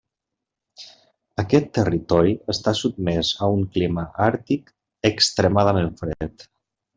Aquest territori està sotmès a un clima àrtic extremadament fred.